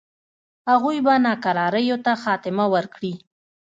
هغوی به ناکراریو ته خاتمه ورکړي.